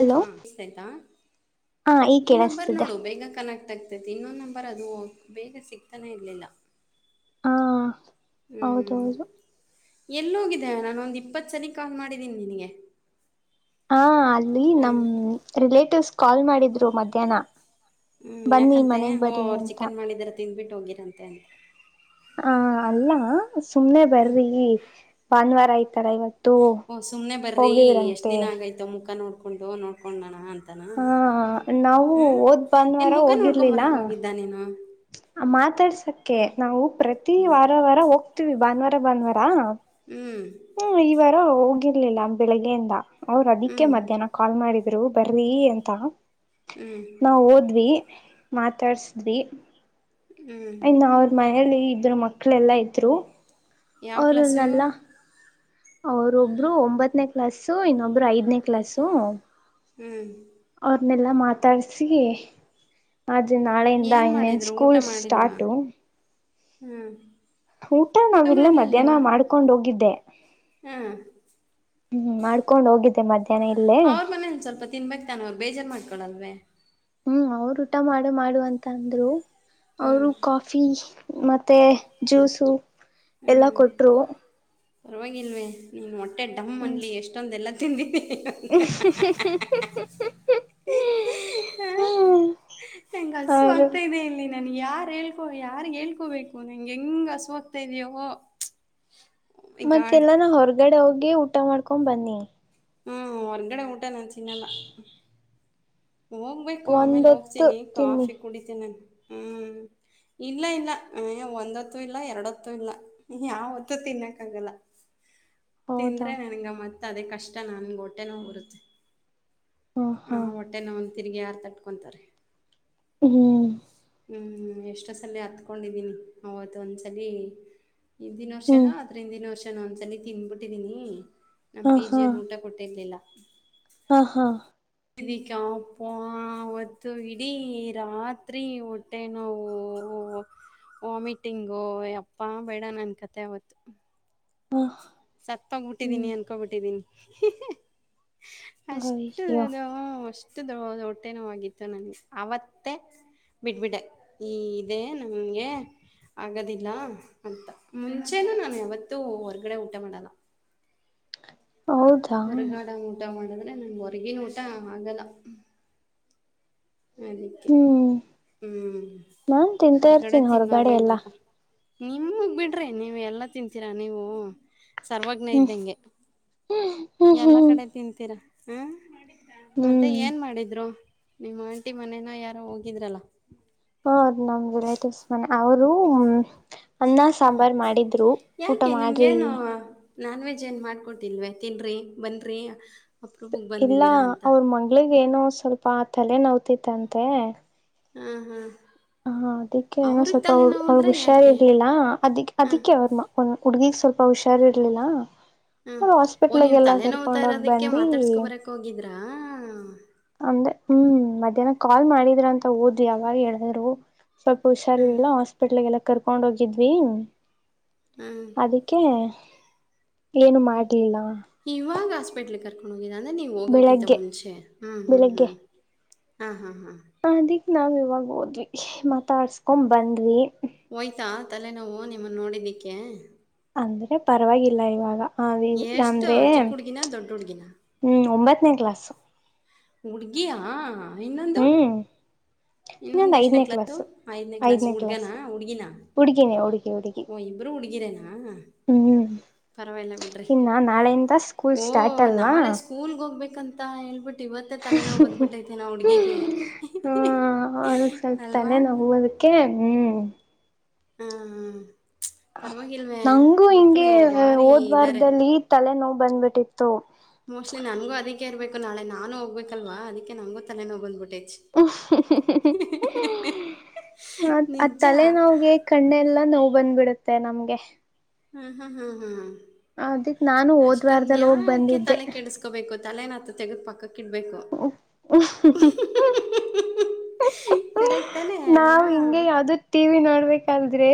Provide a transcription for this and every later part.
Hello ಯ್ ಆಯ್ತಾ ಹಾ ಈಗ ಈ ನಂಬರ್ ಕೇಳಿಸ್ತಿದೆ ನೋಡು ಬೇಗ ಕನೆಕ್ಟ್ ಆಗ್ತ ಇನ್ನೊಂದು ನಂಬರ್ ಅದು ಬೇರೆ ಸಿಗ್ತಾನೆ ಇರ್ಲಿಲ್ಲ ಹಾ ಹೌದ ಹೌದು ಎಲ್ಲಿಹೋಗಿದೆ ನಾನೊಂದು ಇಪ್ಪತ್ತು ಸಲ ಕಾಲ್ ಮಾಡಿದ್ದೀನಿ ನಿನಗೆ ನಮ್ಮ್ ರಿಲೇಟಿವ್ಸ್ ಕಾಲ್ ಮಾಡಿದ್ರು ಮಧ್ಯಾಹ್ನ ಹ್ಮ್ ಬನ್ನಿ ಯಾಕಂತೆ ಮನೆಗ್ ಹೋ ಬರ್ರಿ ಅವ್ರು ಅಂತ ಚಿಕನ್ ಮಾಡಿದ್ರ ತಿಂದ್ಬಿಟ್ಟು ಹೋಗಿರಂತೆ ಹಾ ಅಲ್ಲ ಸುಮ್ನೆ ಬರ್ರಿ ಭಾನುವಾರ ಆಯ್ತು ಓ ಸುಮ್ನೆ ಬರ್ರಿ ಎಷ್ಟ್ ಹೋಗಿವ್ರಂತೆ ದಿನ ಆಗೈತ ಮುಖ ನೋಡ್ ಕೊಂಡು ನೋಡ್ಕೊಂಡೋಣ ಅಂತ ಹಾ ನಾವು ಓದ್ ಏನು ಬಾನವಾರ ಮುಖ ಹೋಗಿರ್ಲಿಲ್ಲ ನೋಡ್ಕೊಂಬರಕ್ಕೆ ಹೋಗಿದ್ದ ನೀನು ಮಾತಾಡ್ಸಕ್ ಓಕೆ ನಾವು ಪ್ರತಿ ವಾರ ವಾರ ಹೋಗ್ತೀವಿ ಭಾನುವಾರ ಬಂದವಾರಾ ಹ್ಞೂ ಹ್ಮ ಈವಾಗ ಹೋಗಿರ್ಲಿಲ್ಲ ಬೆಳಿಗ್ಗೆಯಿಂದ ಅವ್ ಹ್ಞೂ ಅದಿಕ್ಕೆ ಮಧ್ಯಾಹ್ನ ಕಾಲ್ ಮಾಡಿದ ಇಬ್ರು ಬರ್ರಿ ಎಂತ ಹ್ಞೂ ನಾ ಓದ್ವಿ ಮಾತಾಡ್ಸಿದ್ಿ ಹ್ಞೂ ಯ ನ ಅವ್ರ ಮನೇಲಿ ಇದ್ರ ಮಕ್ಕ ಮಕ್ಳ ಎಲ್ಲಾ ಇದ್ರು ಯಾವ ಕ್ಲಾಸು ಅವ್ರನ್ನೆಲ್ಲಾ ಅವ್ರೊಬ್ರು ಒಂಬತ್ತನೇ ಕ್ಲಾಾಸು ಇನ್ನೊಬ್ರು ಐದನೇ ಕ್ಲಾಾಸು ಹ್ಮ್ ಅನ್ನೆಲ್ಲಾ ಮಾತಾಡ್ಸಿ ಅದು ನಾಳೆಯಿಂದ ಏನು ಇನ್ನೆನ್ ಮಾಡಿದರು ಸ್ಕೂಲ್ ಸ್ಟಾರ್ಟು ಹ್ಮ್ ಊಟ ನಾವಲ್ಲ ಮಧ್ಯಾಹ್ನ ಮಾಡ್ಕೊಂಡ ಹೋಗಿದ್ದೆ ಹ್ಮ್ ಹ್ಮ್ ಮಾಡ್ಕೊಂಡ್ ಹೋಗಿದ್ದ ಮಧ್ಯೆ ಅವ್ರ ಮನೇಂದ ಸ್ವಲ್ಪ ತಿನ್ಬೇಕೇಕ್ ತಾನ ಅವ್ರು ಬೇಜಾರು ಮಾಡ್ಕೊಳಲ್ೇ ಹ್ಮ್ ಅವ್ರ ಊಟ ಮಾಡು ಮಾಡುವ ಅಂತ ಅಂದ್ರು ಹ್ಮ್ ಅವರು ಕಾಫಿ ಮತ್ತೆ ಜ್ಯೂಸು ಎಲ್ಲ ಕೊಟ್ಟರು ಪವಾಗಿಲ್ವೇ ನೀನು ಮೊಟ್ಟ ಮೆ ಡಮ್ ಅನ್ಲಿ ಎಷ್ಟೊಂದ ಎಲ್ಲ ತಿಿ ಹ ಹ ನಂಗಗೆ ಹಸು ಅವರು ಆಗ್ತಾ ಇದೆ ಇಲ್ಲಿ ನನ್ ಯಾರ್ ಹೇಳ್ಕೊ ಯಾರ್ಗ್ ಹೇಳ್ಕೋಬೇಕು ನಂಗೆ ಹೆಂಗ್ ಹಸವಾಗೋಗ್ತಾ ಇದ್ಯೋ ಮತ್ತೆ ಎಲ್ಲಾನ ಹೊರಗಡೆ ಹೋಗ್ ಊಟ ಮಾಡ್ಕೊಂಡ್ ಬನ್ನಿ ಹ್ಮ್ ಹೊರಂಗಡೆಊ ಊ ನ ಚಿನ್ನಲ್ಲ ಹೋಗ್ಬೇಕು ಆಮೇಲೆ ಒಂದೊತ್ತು ಹೋಗ್ತೀನಿ ತಿನ್ನಿ ಕಾಫಿ ಕುಡಿತೆ ನಾನು ಹ್ಮ್ ಇಲ್ಲ ಇಲ್ಲ ಒಂದತ್ತುೂ ಇಲ್ಲ ಎರಡತ್ತುೂ ಇಲ್ಲ ಯಾವತ್ತುೂ ತಿನ್ನಕ್ಕ ಆಗಲ್ಲ ತಂದ್ರ ಹೌದಾ ನನಗೆ ಮತ್ತೆ ಮ ಅದೇ ಕಷ್ಟ ನನ್ ಗಟ್ಟೆನ ರುತ್ತೆ ಹ ಹಾ ಒಂದು ತಿರುಗಿ ಯಾರು ತಟ್ಕೊಂತಾರೆ ಹ್ಮ್ ಹ್ಞೂ ಎಷ್ಟೊ ಸಲ ಹತ್ಕೊಂಡಿದ್ದೀನಿ ಅವವತ್ತು ಒಂದ್ಸಲ ಹಿಂದಿನ ವರ್ಷನ ಹ್ಮ್ ಆದ್ರ ಹಿಂದಿನ ವರ್ಷ ನ ಒಂದ್ಸಲ ತಿಿಂದಬಿಟ್ಟಿದೀನಿ ನಮ್ ಹ ಪಿ ಜಿಯನ್ ಊಟ ಕೊಟ್ಟಿರ್ಲಿಲ್ಲ ಹಾ ಹಾ ಹ ಪ್ಪಾ ಅವತ್ತು ಇಡೀ ರಾತ್ರಿ ಹೊಟ್ಟೆ ನೋವು ವಾಮಿಟಿಂಗು ಅಪ್ಪಾ ಬೇಡ ನನ್ ಕತೆೆ ಅವತ್ತು ಹಾ ಸತ್ತೋಗ್ಬಿಟ್ಟಿದ್ದೀನಿ ಅನ್ಕೋಬಿಟ್ಟಿದ್ದೀನಿ ಫ಼ಾ ಅಷ್ಟ ಅಯ್ಯೋ ಅದು ಅ ಇ ದ ದೊಡ್ಟ್ಟೆನೋ ಆಗಿತ್ತು ನನ್ಗೆ ಅವತ್ತೇ ಬಿಡ್ಬಿಡ ಈ ಇದೇ ನಂಗೆ ಆಗದಿಲ್ಲ ಅಂತ ಮುಂಚೆನ ನಾನು ಯಾವತ್ತುೂ ಹೊರಗಡೆ ಮಾಡದ ಹೌದಾ ಹೊರಗಾಡ ಮಊಟಾ ಮಾಡದ ಅ ನಮ್ ಹೊರಗಿನ ಊಟ ಆಗಲ್ಲ ಅದಕ್ಕೆ ಹ್ಮ್ ಹ್ಮ್ ನಾನ್ ಒ ತಿಂತಾ ಇರ್ತೀನಿ ಗಡತೆ ಹೊರಗಡೆ ಎಲ್ಲ ಇನ್ನೊದೇಲ್ಲಪ ನಿಮಗ್ ಬಿಡ್ರಿ ನೀವ ಎಲ್ಲಾ ತಿನ್ಂತೀರಾ ನೀವು ಸರ್ವಜ್ಞ ಹ್ಮ್ ಇದ್ದಂಗೆ ಹ್ಮ್ ಎಲ್ಲಾ ಹ್ಮ್ ಕಡೆ ತಿಂತೀ ಹ್ಮ್ ಮತ್ತೆ ಹ್ಮ್ ಏನ್ ಮಾಡಿದ್ರು ನಿಮ್ಮ ಆಂಟಿ ಮನೇನ ಯಾರು ಹೋಗಿದ್ರಲ್ಲ ಹರ್್ಟಿವ್ಸ್ ಮ ಅವ ಹುಕ್ಸ್ ಅನ್ನ ಸಾಂಬಾರು ಮಾಡಿದ್ರು ಊಟ ಯಾಕೆ ಮಾಡ್ರಿ ನಿಮ್ಗೇನು ನಾನ್ ವೆಜ್ ಏನು ಮಾಡ್ಕೊಟ್ಟಿಲ್ವ ತಿನ್ರಿ ಬನ್ರಿ ಅಪ್ರೂಪಕ್ ಎಲ್ಲಾ ಬಂದಿದ್ದೀರಾ ಅಂತ ಅವ್ರ ಮಂಗಗಳ ಏನೋ ಸ್ವಲ್ಪ ಆ ತಲೆ ನವ್ತಿತ್ತಂತೆ ಹ್ಮ್ ಹ್ಮ್ ಹಾ ಅದಿಕ್ಕೆ ಏನೋ ಸ್ವಲ್ಪ ಅವಳಗ್ ಹುಷಾರಿ ಯಾಕೆ ಇರ್ಲಿಲ್ಲ ಅದಿ ಹ ಅದಿ ಅವ್ರಮ್ಮ ಒ ಹುಡ್ಗಿಗ್ ಸ್ವಲ್ಪ ಪಹುಷಾರ ಇರ್ಲಿಲ್ಲ ಹ ಅವ್ರ ಓ ನೀನ್್ ಹಾಸ್ಪಿಟ್ಲ್ಗೆಲ್ಲ ತಲೆನೋ ಹ್ತಾ ಕರ್ಕೊಂಡೋಗ್ ಇರೋದಕ್ಕೆ ಬಂದಿ ಮಾತಾಡ್ಸ್ಕೊ ಬರಕ್ ಹೋಗಿದ್ರಾ ಅಮ್ದ ಹ್ಮ್ ಮಧ್ಯಾಹ್ನ ಕಾಲ್ ಮಾಡಿದ್ರ ಅಂತ ಓದ್ವಿ ಯಾವಾಗ ಹೇಳಿದ್ರು ಸ್ವಲ್ಪ ಹ ಹುಷಾರರ್ಿಲ್ಲ ಹಾಸ್ಪಿಟ್ಲ್ ಎಲ್ಲ ಕರ್ಕೊಂಡ್ ಹೋಗಿದ್ವಿ ಹ ಅದಕ್ಕೆ ಏನು ಮಾಡ್ಲಿಲ್ಲ [unintelligible] [unintelligible] ನೀ ಹೋಗಕ್ಕಿಂತ ಬೆಳಗ್ಗೆ ಮುಂಚೆ ಹ್ಮ್ ಹ್ಮ್ ಬೆಳಿಗ್ಗೆ ಹ್ಮ್ ಹಾ ಹಾ ನಾವು ಇವಾಗ ಹೋದ್ವಿ ಮಾತಾಡ್ಸ್ಕೊಂಡ ಬಂದ್ವಿ. ಹೋಯ್ತಾ ತಲೆನೋವು ನಿಮ್ಮನ್ನು ನೋಡಿದ್ದಿಕ್ಕೆ. ಅಂದ್ರೆ ಪರವಾಗಿಲ್ಲ ಈವಾಗಾ ಹಿ ಎಷ್ಟು ಅಂದ್ರೆ ಚಿಕ್ಕ ಹುಡುಗಿನ ದೊಡ್ಡ ಹುಡುಗಿನ ಹ್ಮ್ ಒಂಬತ್ತನೇ ಕ್ಲಾಸ್ ಹುಡುಗಿಯಾ ಇನ್ನೊಂದು ಹ್ಮ್ ಇನ್ನೊಂದ್ ಇನ್ನೊಂದು ಎಷ್ಟನೇ ಐದನೇ ಕ್ಲಾಸು ಐದನೇ ಕ್ಲಾಸ್ ಹುಡ್ಗನಾ ಹುಡ್ಗಿನಾ ಹುಡುಗಿನೇ ಹುಡುಗಿ ಹುಡುಗಿ ಓ ಇಬ್ರು ಹುಡ್ಗಿರೇನಾ ಹ್ಮ್ ಪರವಾಗಿಲ್ಲ ಬಿಟ್ರಿ ಇನ್ನ ನಾಳೆಯಿಂದ ಸ್ಕೂಲ್ ಓ ಸ್ಟಾರ್ಟ್ ಅಲ್ವಾ ನಾಳೆ ಸ್ಕೂಲ್ ಹೋ ಹೋಗ್ಬೇಕ ಅಂತ ಹೇಳ್ಬಿಟ್ಟು ಇವತ್ತೇ ತಲೆನೋವು ಬದ್ಬಿಟ್ಟೈತೆ ನಾ ಹುಡಗಿಗೆ. ಅವ್ರಗ್ ಸ್ವಲ್ಪ ತಲೆೆ ನೋವು ಅದಕ್ಕೆ ಹ್ಮ್ ಹ್ಮ ಹ್ಮ ನುಂಗು ಹಿಂಗೆ ಭಾರಿ ಹೋದ್ ಇದ್ದಾರೆ ವಾರದಲ್ಲಿ ತಲೆನೋವ ಬಂದ್ಬಿಟ್ಟ ತ್ತು ಮೋಸ್ಟ್ಲಿ ನನ್ಗೂ ಅದಕ್ಕೆ ಇರ್ಬೇಕು ನಾಳೆ ನಾನು ಹೋಗ್ಬೇಕಲ್ವಾ ಅದಕ್ಕೆ ನಗೂ ತಲೆನೋವು ಬಂದಬಿಟ್ಟತು ಆ ನಿಜ ತಲೆ ನೋವಗೆ ಕಣ್ಣೆ ಎಲ್ಲಾ ನೋ ಬಂದ್ಬಿಡುತ್ತೆ ಮತ್ತೆ ನಮ್ಗೆ ಹಾ ಹಾ ಹಾ ಹಾ ಅದಿಕ್ ನಾನು ಹೋದ್ ವಾರದಲ್ಲಿ ಹೋಗ್ ಬಂದಿದ್ದೆ ತೆಗೆದಪಕಕ್ಕ ಕಿಡ್ಬೇಕು ನಾವು ಹಿಂಗೆ ಯಾವ್ದು ಟಿವಿನ ಮಾಡ್ಬೇಕಾದ್ರೆ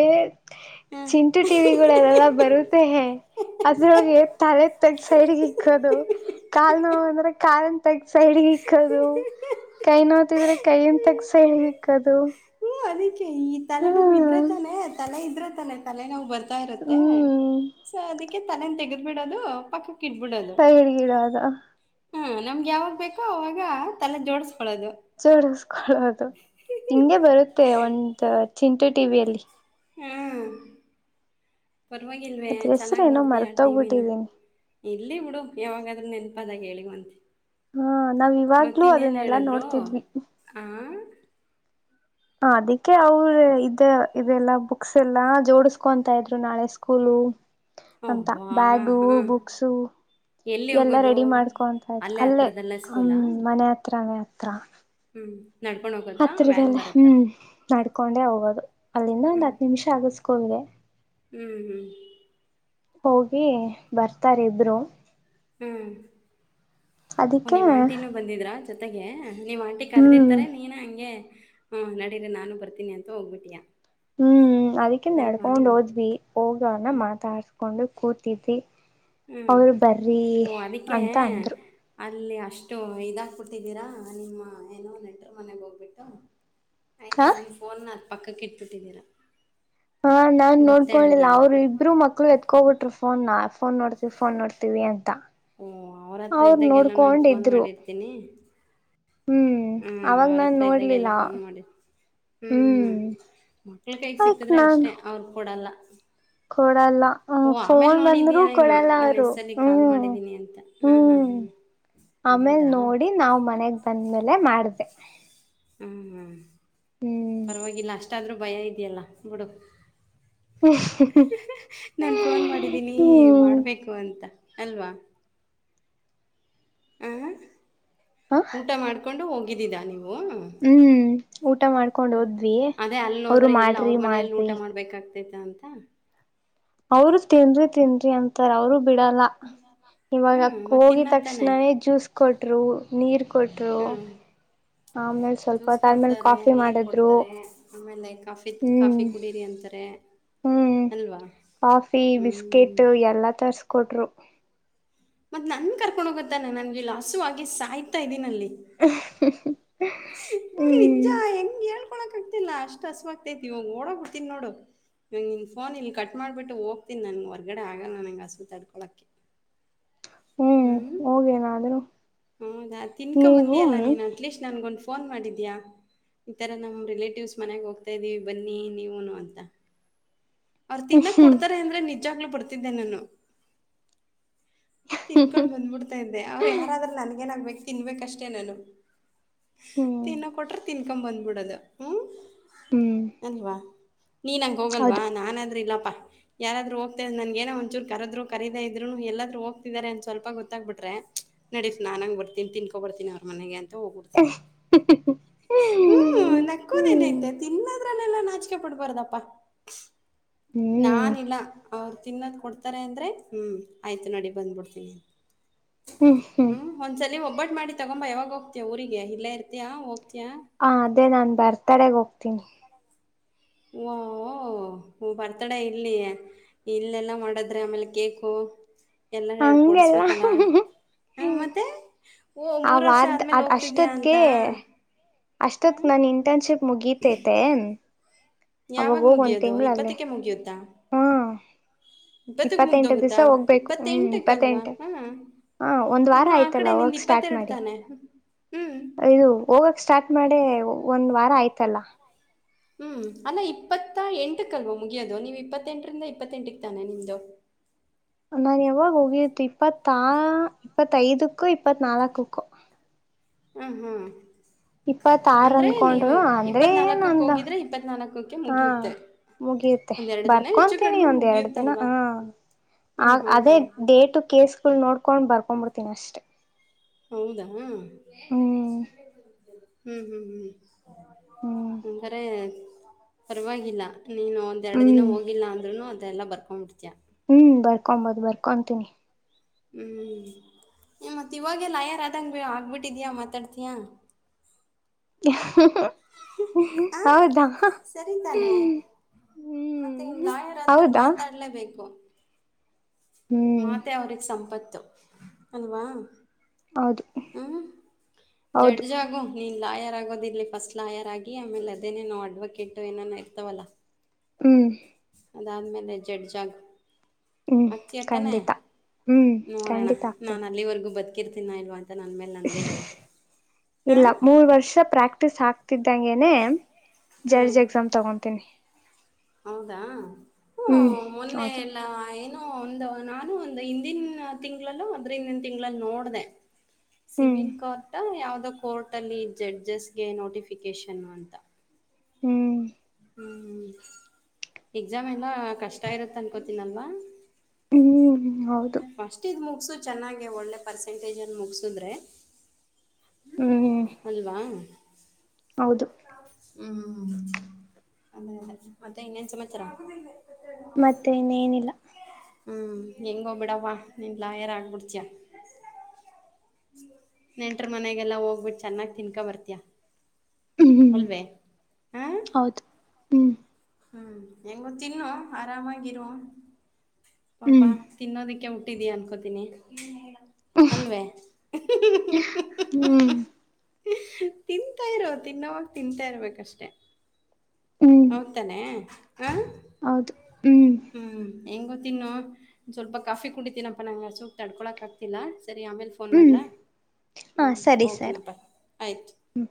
ಹಾ. ಚಿಂಟು ಟಿವಿಗಳೆಲ್ಲಲ್ಲಾ ಬರುತ್ತೆ ಹ ಅದ್ರೊಳಗೆ ತಲೆ ತಗ ಸೈಡ್ಗೆ ಇಕ್ಕೋದು ಕಾಲ್ ನೋ ಅಂದ್ರೆ ಕಾಲ್ ಸೈಡ್ ಇಕ್ಕದು ಕೈ ನೋಯಿತ್ತಿದ್ರೆ ಕೈಯನ್ ತಗ್ಗಿಸಿ ಸೈಡ್ ಗೆ ಇಕೊದು [unintelligible] ಈ ತಲೆನೋ ಇದ್ರ ತಾನೆ ತಲೆ ಇದ್ರೆ ತಲೆ ನಾವು ಬರ್ತ ಇರುತ್ತೆ ಹ್ಮ್ ಸೊ ಅದಕ್ಕೆ ತಲೆನ್ ತೆಗದ ಬಿಡದು ಪಕಕ್ ಸೈಡಿಡೋದು ಹ್ಮ ನಮ್ಗೆ ಯಾವಾಗ್ ಬೇಕೋ ಅವಾಗ ತಲೆ ಜೋಡ್ಸ್ ಚೋಡಿಸಕೊಳ್ಳದು ಹಿಂಗೆ ಬರುತ್ತೆ ಮತ್ತ ಒಂದು ಚಿಂಟು ಟಿವಿಯಲ್ಲಿ ಹ್ಮ್ ಪರವಾಗಿಲ್ವೇ ಅದ್ರ ಹೆಸ್ರ ಚೆನ್ನಾಗಿ ಏನೋ ನೋಡ್ತೀಯಾ ಟಿವಿನ ಮರ್ತೋಗ್ಬಿಟ್ಟಿದೀನಿ ಇಲ್ಲಿ ಬಿಡು ಯಾವಾಗಾದ್ರೂ ನೆನ್ಪದಾಗ ಹೇಳಿವಂತೆ ಹಾ ನಾವ್ ಮತ್ತ ಇವಾಗ್ಲೂ ಇನ್ನೇನ್ ಅದನ್ನೆಲ್ಲಾ ಹೇಳಿದ್ರು ನೋಡ್ತಿದ್ವಿ ಆ ಹ ಅದಕ್ಕೆ ಅವ್ರ ಇದ ಇದೆಲ್ಲಾ ಬುಕ್ಸ್ ಎಲ್ಲಾ ಜೋಡಸ್ಕೊಂತ ಇದ್ರು ನಾಳೆ ಸ್ಕೂಲು ಅಂತ ಅಬ್ಬಾ ಬ್ಯಾಗು ಹಾ ಬುಕ್ಸು ಎಲ್ಲಿ ಎಲ್ಲ ಹೋಗೋದು ರೆಡಿ ಮಾಡ್ಕೊಂತ ಆ್ತ ಅಲ್ಲೇ ಹತ್ರದಲ್ಲೇ ಹ್ಮ್ ಸ್ಕೂಲಾ ಮನೆ ಹತ್ರನೆ ಹತ್ರ ಹತ್ರ ಹ್ಮ್ ಹತ್ರಿರದಲ್ಲೇ ಹ್ಮ್ ನಡ್ಕೊಂಡೆ ಹೋಗೋದು ಅಲ್ಲಿಂದ ಒಂದ್ ಹತ್ ನಿಮಿಷ ಆಗದು ಸ್ಕೂಲ್ಗೆ ಹೂ ಹೂ ಹೋಗಿ ಬರ್ತಾರೆ ಇಬ್ರು ಹ್ಮ್ ಓ ಅದಕ್ಕೆ ನೀವು ಆಂಟೀನು ಬಂದಿದ್ರಾ ಜೊತೆಗೆ ನೀಮ್ಮ ಆಂಟಿ ಹ್ಮ್ ಕರೆದಿರ್ತಾರೆ ನೀನು ಹಂಗೆ ಹಾ ನಡೀರಿ ನಾನು ಬರ್ತೀನಿ ಅಂತ ಹೋಗ್ಬಿಟಿಯಾ ಹ್ಮ್ ಅದಕ್ಕಿಂತ ನಡ್ಕೊಂಡ್ ಹೋದ್ವಿ ಹೋಗವನ ಮಾತಾಡ್ಸ್ಕೊಂಡು ಕೂತಿದ್ವಿ ಹ್ಮ್ ಅವರು ಬರ್ರಿ ಓ ಅದಕ್ಕೆ ಅಂತ ಅಂದ್ರು ಅಲ್ಲಿ ಅಷ್ಟು ಇದಾಗಿಬಿಟ್ಟಿದ್ದೀರಾ ನಿಮ್ಮ ಏನೋ ನೆಂಟರು ಮನೆಗೆ ಹೋಗ್ಬಿಟ್ಟು ಆಯ್ಕೆ ಹ ನನ್ ಫೋನ್ ನಾ ಪಕ್ಕಕ್ಕೆ ಇಟ್ಟ ಬಿಟ್ಟಿದ್ದೀರ ಹಾ ನಾನ್ ನೋಡ್ಕಳಿಲ್ಲ ಅವ್ರು ಇಬ್ರು ಮಕ್ಳು ಎತ್ಕೊ್ಬಿಟ್ರು ಫೋನ್ ನಾ ಫೋನ್ ನೋಡ್ತೀವಿ ಫೋನ್ ನೋಡ್ತೀವಿ ಅಂತ ಓಹ ಅವ್ರ ಹತ್ರ ಅವ್ರು ಇದ್ದಾಗೆಲ್ಲ ನಾನು ಫೋನ್ ನೋಡ್ಕೊಂಡಿದ್ರು ಮಾಡಿರ್ತೀನಿ ಹ್ಮ್ ಹ್ಮ ಅವಾಗ ಅವ್ರ ನಾನ್ ಹತ್ರ ಇದ್ದಾಗೆ ನೋಡ್ಲಿಲ್ಲ ಎಲ್ಲಾ ಫೋನ್ ಮಾಡಿ ಹೂ ಹೂ ಹೂ ಹ್ಮ್ ಮಕ್ಳ ಕೈಗ್ ಸಿಕ್ಕದ್ರೆ ಅಷ್ಟೇ ಅವ್ರ ಕೊ ಡಲ್ಲ ಕೋಡ ಲ್ಲ ಫೋನ್ ಬಂದ್ರೂ ನೋಡಿದ್ದೀಯ ನೀನು ಕೊಡಲ್ಲ ನಾನು ಅವರು ಎಷ್ಟಲ್ಲಿ ಕಾಲ್ ಹ್ಮ್ ಮಾಡಿದ್ದೀನಿ ಅಂತ ಹಾಂ ಹಾಂ ಹ್ಮ್ ಹಾಂ ಆಮೇಲ್ ಹೌದಾ ನೋಡಿ ನಾವ್ ಮನೆಗ್ ಬಂದ್ಮೇಲೆ ಮಾಡ್ದೆ ಹ್ಮ್ ಹಾ ಹ್ಮ್ ಪರವಾಗಿಲ್ಲ ಅಷ್ಟ ಆದ್ರೂ ಭಯ ಇದೆಯಲ್ಲ ಬಿಡು ನಾನು ಫೋನ್ ಮಾಡಿದ್ದೀನಿ ಹ್ಮ್ ಮಾಡ್ಬೇಕು ಅಂತ ಅಲ್ವಾ ಆ ಹ ಊಟ ಮಾಡ್ಕೊಂಡು ಹೋಗಿ ಇದಗ ಇದೀಾ ನೀವು ಹ್ಮ್ ಊಟ ಮಾಡ್ಕೊಂಡ್ ಹೋದ್ವಿ ಅದೇ ಅಲ್ಲಿ ಅವರು ಹೋದ್ರೆ ಎಲ್ಲ ಅವ್ರ ಮಾಡ್ರಿ ಮನೆಯಲ್ಲಿ ಊಟ ಮಾಡ್ರಿ ಮಾಡ್ಬೇಕಾಗ್ತ ತದ ಅಂತ ಅವರು ತಿಂದ್ರಿ ತಿಂದ್ರಿ ಅಂತಾರ ಅವರು ಬಿಡಲ್ಲ ಇವಾಗ ಹ್ಞೂ ಮತ್ತೆ ಹೋಗಿದ ತಿನ್ನತ್ತಾನೆ ತಕ್ಷಣನೇ ಜ್ಯೂಸ್ ಕೊಟ್ರು ನೀರ್ ಕೊಟ್ರು ಹ್ಞೂ ಆಮೇಲೆ ಸ್ವಲ್ಪ ಜ್ಯೂಸ್ ಹೊತ್ತಾದ್ಮೇಲ್ ಕೊಡ್ತಾರೆ ಕಾಫಿ ನೀರು ಮಾಡಿದ್ರು ಕೊಡ್ತಾರೆ ಆಮೇಲೆ ಕಾಫಿ ಕಾಫಿ ಹ್ಮ್ ಕುಡೀರಿ ಅಂತಾರೆ ಹ್ಮ್ ಅಲ್ವಾ ಕಾಫಿ ಹ್ಞೂ ಬಿಸ್ಕೆಟ್ ಎಲ್ಲ ತರ್ಸ್ಕೊಟ್ರರು ಹ ಮತ್ ನನ್ ಕರ್ಕೊಂಡ್ ಹೋಗತಾನೆ ನನ್ಗೆ ಲ ಹಸುಗ ಸಾಯ್ತಾ ಇದೀನ ಅಲ್ಲಿ ಹ್ಮ್ಮ್. ಲಿಜಾ ಹೆಂಗಗೆಳ್ ಕಡ್ಕೊಳಕಕ್ ಆಗ್ತಿಲ್ಲ ಅಷ್ಟ ಹಸು ಆಗ್ತೈತಿ ಇವಾಗ ಓಡೋಗ ಹತಿನಿ ನೋಡು ಇವಂಗ್ನ್ ಫೋನ್ ಇಲ್ಲಿ ಕಟ್ ಮಾಡ್ಬಿಟ್ಟು ಹೋಗ್ತನಿ ನನ್ಗೆ ಹೊರ್ಗಡೆ ಆಗಲ್ಲ ನಂಗೆ ಹಸು ತಡ್ಕೊಳಕ್ಕೆ ಹ್ಮ್ ಹೌದಾ ತಿನ್ಕೊ ಬಂದಿ ನೀವು ಅಲ್ಲ ಹ್ಮ್ ನೀನ್ ಅಟ್ಲೀಸ್ಟ್ ನನ್ ಗೊ ಫೋನ್ ಮಾಡಿದೀಯ ಈ ಥರ ನಮ್ಮ ರಿಲೇಟಿವ್ಸ್ ಮನೆಗೆ ಹೋಗ್ತಾ ಇದೀವಿ ಬನ್ನಿ ನೀವುನು ಅಂತ ಅವ್ರರು ತಿನ್ನಾಕ್ ಕೊಡ್ತಾರೆ ಅಂದ್ರೆ ನೆ ಹೆಜಾಗ್ಲು ಬಡ್ತಿದ್ದೆ ನಾನು ತಿನ್ಕೊಂಡ್ ಬಂದ್ಬಿಡ್ತಾ ಇದ್ದೆ ಅವ್ರು ಯಾರಾದ್ರೂ ನನ್ಗೇನಾಗಗ್ಬೇಕು ತಿನ್ಬೇಕಷ್ಟೇ ನಾನು ಹ್ಮ್ ತಿನ್ನ ಕೊಟ್ರ ತಿನ್ ಕ ಬಂದ್ಬಿಡದು ಹ್ಮ್ ಹ್ಮ್ ಎಲ್ಲವಾ ನೀನ ಹಂಗೆ ಹೋಗಲ್ವಾ ಹೌದು ನಾನಾದ್ರೂ ಇಲ್ಲಪ್ಪ ಯಾರಾದ್ರರು ಹೋಗ್ತ್ ನನ್ ನೋ ಒಂಚೂರು ಕರದ್ರು ಕರೀದ ಇದ್ೂನು ಎಲ್ಲಾದ್ೂ ಹೋಗ್ತಿದಾರೆ ಅನ್ ಸ್ವಲ್ಪ ಗೊತ್ತಾಗ್ ಬಿ್ರ ನಡಸ್ ನಾನನ್ಂಗ ಬರ್ತೀನಿ ತಿನ್ಕೊ ಬರ್ತೀಿ ಅವ್ರ ಮನೆಗೆ ಅಂತ ತ ಕುಡ್ತಿ ಹ್ಮ್ ಹ್ಮ್ ನಕ್ಕೋದ ಹ್ಮ್ ಹ್ಮ್ ನೈತೆ ತಿನ್ನ ್ರಲ್ಲೆಲ್ಲ ನಾಚಿಕೆ ಪಡ್ಬಾರದಪ್ಪ ಹ್ಮ್ ನಾನ ಇಲ್ಲ ಅವರು ತಿನ್ನೋದ್ ಕೊಡ್ತಾರೆ ಅಂದ್ರೆ ಹ್ಮ್ ಆಯ್ತು ನೋಡಿ ಬಂದ್ಬಿಡ್ತೀನಿ ಹ್ಮ್ ಒಂದ್ಸಲ ಒಬ್ಬಟ್ಟ ಮಾಡಿ ತಗೊಂಬಾ ಯಾಗೋಗತೇವೆ ಊರಿಗೆ ಎಲ್ಲ ಇತಿಯಾ ಹೋಗ್ತೀಯಾ ಹ ಅದೇ ನಾನ್ ಬರ್ತಡೆಗ್ ಹೋಗ್ತೀನಿ ಓ ಓ ಹ ಬರ್ತಡೇ ಇಲ್ಲಿ ಇಲ್ಲೆಲ್ಲಾ ಮಾಡದ್ರೆ ಆಮೇಲೆ ಕೇಕು ಎಲ್ಲ ಹಂಗೆಲ್ಲ ಕೊಡಿಸ್ಬೇಕಲ್ಲ ಹ ಮತ್ತೆ ಓ ಆ ಮೂರ್ ವರ್ಷ ವಾರದ ಆದ್ಮೇಲೆ ಅದ್ ಹೋಗ್ತಿದ್ಯಾ ಅಷ್ಟೊತ್ಗೆ ಅಂತ ಅಷ್ಟೊತ್ ನನ್ ಇಂಟರ್ನ್ಶಿಪ್ ಮುಗತೈತೆ ಯಾವಾಗ ಮುಗಿಯೋದು ಇಪ್ಪತ್ತಕ್ಕೆ ಮುಗಿಯುತ್ತಾ ಹಾ ಇಪ್ಪತಿಗೆ ಇಪ್ಪತ್ತೆಂಟು ಮುಗ್ದ್ಹೋಗುತ್ತಾ ದಿವ್ಸ ಹೋಗ್ಬೇಕು ಇಪ್ಪತ ಹ್ಮ್ ಎಂಟಿಗೆ ಅಲ್ವಾ ಇಪ್ಪತ್ತೆಂಟು ಹ ಒಂದ್ ವಾರ ಆಯ್ತಲ್ಲ ಹೋಗಕ್ ಸ್ಟಾರ್ಟ್ ಮಾಡಿ ಇದು ಹೋಗಕ್ ಸ್ಟಾರ್ಟ್ ಮಾಡಿ ಒಂದ್ ವಾರ ಆಯ್ತಲ್ಲ ಹ್ಮ್ ಅಲ್ಲ ಇಪ್ಪತ್ತ ಎಂಟಕ್ಲ್ವಾ ಮುಗಿಯೋದು ನೀವುಇಪ್ಪತ್ತೆಂಟರಿಂದ ಇಪ್ಪತ್ತೆಂಟಕ್ ತಾನೆ ನಿಮ್ದು ನಾನ್ ಯಾವಾಗ ಹೋಗಿತ್ತು ಇಪ್ಪತ್ ಐದು ಇಪ್ಪತ್ತೈದಕ್ಕೂ ಇಪ್ಪತ್ ನಾಲ್ಕಕ್ಕೂ ಹ್ಮ್ ಹ್ಮ್ ಇಪ್ಪತ್ತಾರ ಅಂದ್ರೆ ನೀವು ಅಂದಕೊಂಡ್ರು ಅಂದ್ರೆ ಏನ್ ಇಪ್ಪತ್ನಾಲ್ಕಕ್ ನಂದ ಹೋಗಿದ್ರೆ ಇಪ್ಪತ್ನಾಲ್ಕಕ್ಕೆ ಹಾ ಮುಗಿಯುತ್ತೆ ಮುಗಿಯುತ್ತೆ ಒಂದೆರಡು ದಿನ ಹೆಚ್ಚು ಬರ್ಕೊಂತೀನಿ ಕಡಿಮೆ ಒಂದ್ ಎರಡ್ ದಿನ ಮುಗಿಯುತ್ತಲ್ವಾ ಹಾ ಹಾ ಆ ಹಾ ಅದೇ ಹಾ ಡೇಟು ಕೇಸ್ಗಳು ನೋಡ್ ಕೊಂಡ್ ಬರ್ಕೊಂಡ್ಂಬಿಡ್ತೀನಿ ಅಷ್ಟೇ ಹೌದಾ ನ್ನೆ ಇಷ್ಟ [inaudible] ಹ್ಞೂ ಹ್ಞೂ ಹ್ಮ್ ಹ್ಞೂಂದರೆ ಪರವಾಗಿಲ್ಲ ನೀನು ಒಂದೆ ಎರಡು ದಿನ ಹ್ಮ್ ಹೋಗಿಲ್ಲ ಅಂದರುೂ ಅ ಎಲ್ಲ ಬರ್ಕೊಂಡ್ಬಿಟ್ಟಿಯ ಹ್ಮ್ ಬರ್ಕೊಬೋದು ಬರ್ಕೊಂತೀನಿ ಹ್ಮ್ ಮತ್ತ ಇವಾಗೆಲ್ಲ ಆಯಾರ ಆದಂಗಗೆ ಆಗ್ಬಿಟ್ಟಿದಯಾ ಮಾತಾಡ್ತೀಯಾ ಆ [inaudible] ಹೌದಾ ಸರಿ ಹ್ಮ ತಾನೆ ಮತ್ತೆ ಇನ್ ಲಾಯರ್ ಆದ್ಮೇಲೆ ಹೌದಾ ಹ್ಮ್ ಮತ್ತೆ ಅವ್ರಿಗೆ ಸಂಪತ್ತ ಅಲ್ವಾ ಹೌದು ಹ್ಮ್ ಹೌದು ಜಡ್ಜಾಗು ಇನ್ ಲಾಯರ್ ಆಗೋದ ಇಲ್ಲಿ ಫಸ್ಟ್ ಲಾಯರ್ ಆಗಿ ಆಮೇಲೆ ಅದೇನೇ ನಾವು ಅಡ್ವೊಕೇಟ್ ಏನ ಇರ್ತವಲ್ಲ ಹ್ಮ್ ಅದಾದಮೇಲೆ ಜಡ್ಜ್ ಜಾಗು ಹ್ಮ್ ಖಂಡಿತ ಹ್ಮ್ ಖಂಡಿತ ಆಗ್ತೇನೆ ಇರ್ತಿನೇ ಇಲ್ವಂತೆ ಇಲ್ಲ ಹಾಂ ಮೂರ್ ವರ್ಷ ಪ್ರಾಕ್ಟಿಸಸ್ ಆಕ್ತಿದ್ದಂಗನೆ ಹ್ಮ್ ಜಡ್ಜ್ ಎಕ್ಸಾಮ್ ತಗೊತೀನಿ ಹೌದಾ ಹ್ಮ್ ಹೌದು ಇ ಒಂದು ನಾನು ಒಂದ್ ಹಿಂದಿನ ತಿಂಗಳಲ್ಲ ಅದ್ರ ಹಿಂದಿನ ತಿಂಗಳಲ್ಲಿ ನೋಡ್ದ ಹ್ಮ್ ಸಿವಿಲ್ ಕೋರ್ಟ್ ಯಾವ್ದ ಕೋರ್ಟ್ ಅಲ್ಲಿ ಜಡ್ಜಸ್ಗೆ ನೋಟಿಫಿಕೇಶನ್ ಅಂತ ಹ್ಮ್ ಹ್ಮ್ ಎಕ್ಸಾಮ್ ಎಲ್ಲ ಕಷ್ಟ ಇರುತ್ತ ಅನ್ಕೋತೀನಲ್ವಾ ಹ್ಮ್ ಹೌದು ಫಸ್ಟ್ ಇದ್ ಮುಗಸು ಚೆನ್ನಾಗೆ ಒಳ್ಳೆ ಪರ್ಸೆಂಟೇಜಲ್ಲಿ ಮುಗಸಿದ್ರೆ ಹ್ಮ್ ಅಲ್ವಾ ಹೌದು ಹ್ಮ್ ಅ ಮತ್ತೆ ಇನ್ನೇನ್ ಸಮಚರ ಮತ್ತೆ ಇನ್ೇನಿಲ್ಲ ಹಾ ಹೆಂಗ ಹೋಗ್ಬಿಡವಾ ನೀನ್ ಲಾಯರ್ ಆಗ್ಬಿಡ್ತಿಯ ನೆಂಟ್ರ ಮನೆಗೆಲ್ಲ ಹೋಗ್ಬಿಟ್ಟು ಚೆನ್ನಾಗಿ್ ತಿನ್ಕೊ ಬರ್ತಯ ಹ್ಮ ಹ್ಮ್ ಹೌದು ಹ್ಮ್ ಹ್ಮ್ ಹೆಂಗ ತಿನ್ನು ಆರಾಮಾಗಿರುವ ಹ್ಮ್ ಪಾಪಾ ತಿನ್ನೋದಕ್ಕೆಟ್ಟ ಟ್ಟೀ ಅನ್ಕೋತೀನಿ ಅಲ್ವೇ ಹ್ಮ್ ತಿಂತಾ ಇರೋ ತಿನ್ನೋವಾಗ ತಿಂತಾ ಇರ್ಬೇಕಷ್ಟೆ ಹ್ಮ್ ಹೌದ್ ತಾನೆ ಹ ಹೌದು ಹ್ಮ್ ಹೆಂಗೋ ತಿನ್ನ ಸ್ವಲ್ಪ ಕಾಫಿ ಕುಂಡಿತೀನಪ್ಪ ನಂಗೆ ಅ ಸೂಕ್ ತಡ್ಕೊಳಕ ಆಗ್ತಿಲ್ಲ ಸರಿ ಆಮೇಲೆ ಫೋನ್ ಹ್ಮ್ ಮಾಡಲ ಹಾ ಹ್ಞೂ ಸರಿ ಸರಿ ಓಕೆನಾಪ್ಪ ಆಯಿತು ಹ್ಮ್